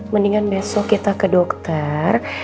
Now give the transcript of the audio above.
mendingan besok kita ke dokter